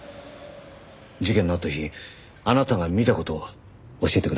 事件のあった日あなたが見た事を教えてください。